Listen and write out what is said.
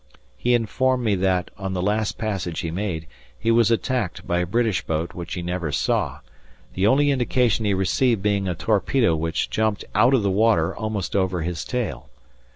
He informed me that, on the last passage he made, he was attacked by a British boat which he never saw, the only indication he received being a torpedo which jumped out of the water almost over his tail.